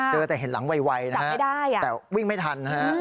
เจอแต่เห็นหลังไวนะครับแต่วิ่งไม่ทันนะครับ